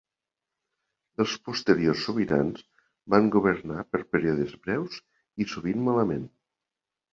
Els posteriors sobirans van governar per períodes breus i sovint malament.